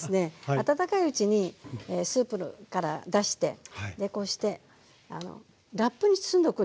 温かいうちにスープから出してこうしてラップに包んでおくんです。